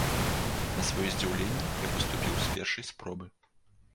На сваё здзіўленне, я паступіў з першай спробы.